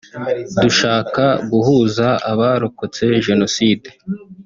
Dushaka guhuza abarokotse Jenoside